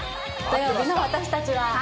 土曜日の私たちは。